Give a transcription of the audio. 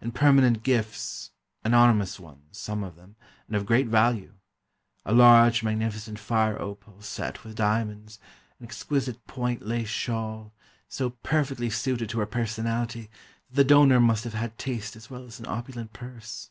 And permanent gifts—anonymous ones, some of them, and of great value: a large, magnificent fire opal set with diamonds; an exquisite point lace shawl, so perfectly suited to her personality that the donor must have had taste as well as an opulent purse.